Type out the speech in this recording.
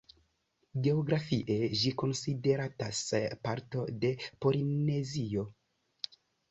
Geografie, ĝi konsideratas parto de Polinezio.